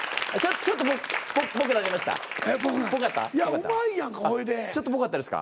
ちょっとぽかったですか？